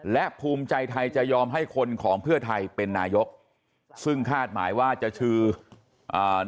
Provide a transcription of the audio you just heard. และภูมิใจไทยจะยอมให้คนของเพื่อไทยเป็นนายกซึ่งคาดหมายว่าจะชื่ออ่า